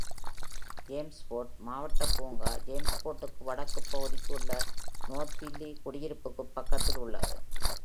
ஜேம்ஸ்போர்ட் மாவட்ட பூங்கா, ஜேம்ஸ்போர்ட்டுக்கு வடக்குப் பகுதிக்கு உள்ள நார்த்வில்லி குடியிருப்புக்குப் பக்கத்தில் உள்ளது.